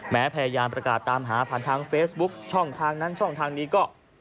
พยายามประกาศตามหาผ่านทางเฟซบุ๊คช่องทางนั้นช่องทางนี้ก็